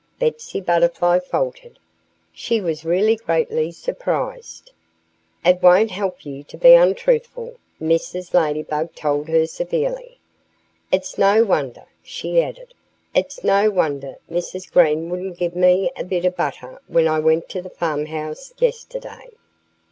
Betsy Butterfly faltered. She was really greatly surprised. "It won't help you to be untruthful," Mrs. Ladybug told her severely. "It's no wonder " she added "it's no wonder Mrs. Green wouldn't give me a bit of butter when I went to the farmhouse yesterday.